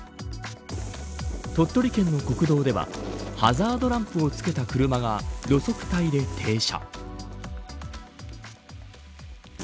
鳥取県の国道ではハザードランプをつけた車が路側帯で停車。